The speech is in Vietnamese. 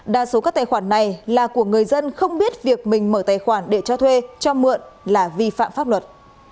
đa số các tài khoản này là của người dân không biết việc mình mở tài khoản để cho thuê cho mượn là vi phạm pháp luật